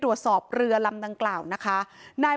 แต่คุณผู้ชมค่ะตำรวจก็ไม่ได้จบแค่ผู้หญิงสองคนนี้